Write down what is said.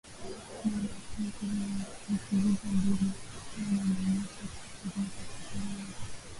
naye rafiki mkubwa wa nchi hizo mbili china ameonesha kugusa na machafuko hayo